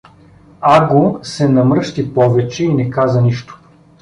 Аго се намръщи повече и не каза нищо.